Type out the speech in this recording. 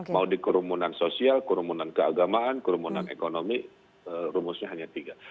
mau di kerumunan sosial kerumunan keagamaan kerumunan ekonomi rumusnya hanya tiga